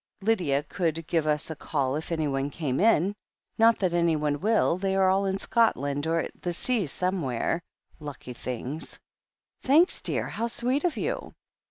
"Lydia could give us a call if anyone came in. Not that anyone will — ^they are all in Scot land or at the sea somewhere — ^lucky things 1" "Thanks, dear — how sweet of you!"